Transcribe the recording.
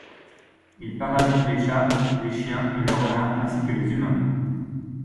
Il parasite les chats, les chiens et les renards ainsi que les humains.